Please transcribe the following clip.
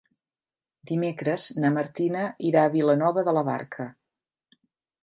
Dimecres na Martina irà a Vilanova de la Barca.